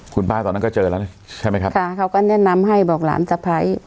คุณป้าตอนนั้นก็เจอแล้วนี่ใช่ไหมครับค่ะเขาก็แนะนำให้บอกหลานสะพ้าย